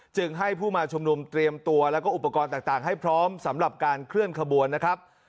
จึงให้ผู้มาชุมนุมเตรียมตัวแล้วก็อุปกรณ์ต่างให้พร้อมสำหรับการเคลื่อนขบวนนะครับ